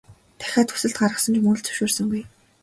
Дахиад хүсэлт гаргасан ч мөн л зөвшөөрсөнгүй.